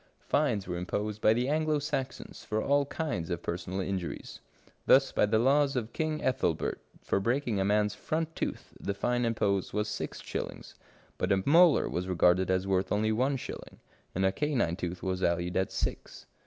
Fines were imposed by the Anglo Saxons for all kinds of personal injuries. Thus by the laws of King Ethelbert, for breaking a man's front tooth the fine imposed was six shillings, but a molar was regarded as worth only one shilling, and a canine tooth was valued at six.